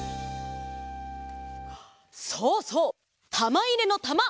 そうそう！たまいれのたま！